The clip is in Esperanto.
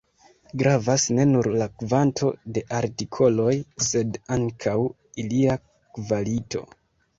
Gravas ne nur la kvanto de artikoloj, sed ankaŭ ilia kvalito.